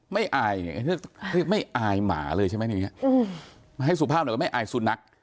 ไม่อายไม่อายหมาเลยใช่ไหมอย่างเงี้ยมาให้สุภาพหน่อยก็ไม่อายสุดนัก